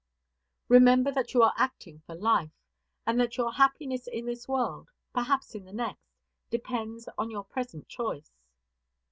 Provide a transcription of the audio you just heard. Remember that you are acting for life, and that your happiness in this world, perhaps in the next, depends on your present choice.